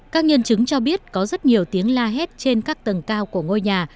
các nhân chứng cho biết có rất nhiều tiếng la hét trên các tầng cao của ngôi nhà